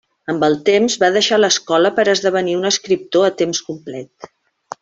Amb el temps va deixar l'escola per esdevenir un escriptor a temps complet.